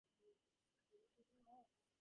I'm failing in math.